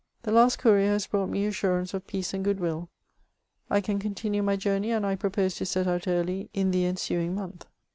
The last courier has Inrought me assurance of peace and good will. I can continue my journey, and I pro pose to set out early in the ensuing month.